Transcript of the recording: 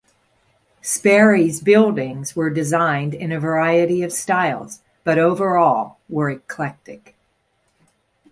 Sperry's buildings were designed in a variety of styles, but overall were eclectic.